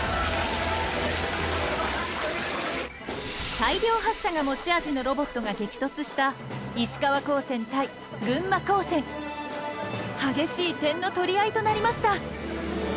大量発射が持ち味のロボットが激突した激しい点の取り合いとなりました。